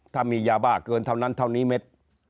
ถ้ามียาบ้าเกินเท่านั้นเท่านี้เม็ด